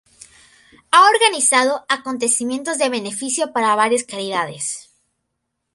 Ha organizado acontecimientos de beneficio para varias caridades.